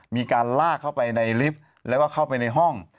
มีการลากเข้าไปในลิฟต์แล้วก็เข้าไปในห้อง